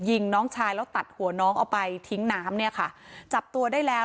น้องชายแล้วตัดหัวน้องเอาไปทิ้งน้ำเนี่ยค่ะจับตัวได้แล้ว